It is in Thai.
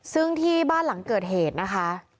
ซึ่งที่บ้านหลังเกิดเหตุนะคะ